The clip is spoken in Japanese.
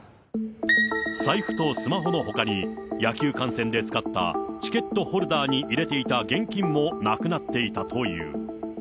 財布とスマホのほかに、野球観戦で使ったチケットホルダーに入れていた現金もなくなっていたという。